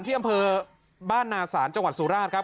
อำเภอบ้านนาศาลจังหวัดสุราชครับ